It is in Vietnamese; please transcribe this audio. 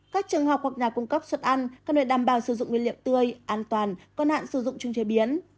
các trường học hoặc nhà cung cấp xuất ăn cần được đảm bảo sử dụng nguyên liệu tươi an toàn còn hạn sử dụng chung chế biến